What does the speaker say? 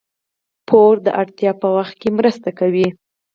پور د اړتیا په وخت کې مرسته کوي.